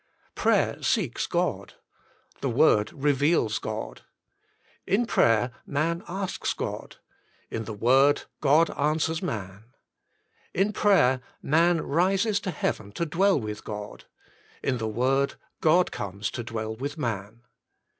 Prayer seeks God : the Word reveals God. In prayer man askg God: in the Word God answers man. In prayer* man rises to heaven to dwell with God: in the Word God comes to dwell with man.